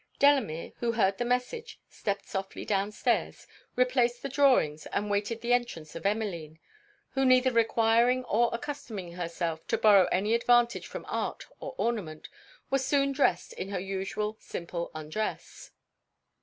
Delamere, who heard the message, stepped softly down stairs, replaced the drawings, and waited the entrance of Emmeline; who neither requiring or accustoming herself to borrow any advantage from art or ornament, was soon dressed in her usual simple undress.